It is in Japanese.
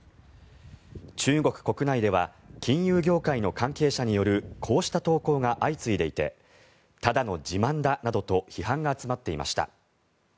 中国国内では金融業界の関係者によるこうした投稿が相次いでいてただの自慢だなどと批判が集まっていました。